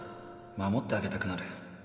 守ってあげたくなる